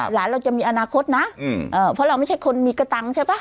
หลานเราจะมีอนาคตนะเพราะเราไม่ใช่คนมีกระตังค์ใช่ป่ะ